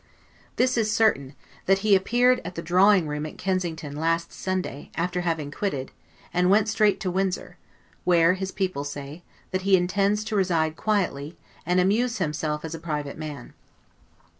This is certain, that he appeared at the drawing room at Kensington, last Sunday, after having quitted, and went straight to Windsor; where, his people say, that he intends to reside quietly, and amuse himself as a private man.